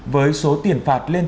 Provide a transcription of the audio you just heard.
với số tiền phạt lên